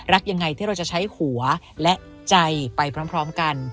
ยังไงที่เราจะใช้หัวและใจไปพร้อมกัน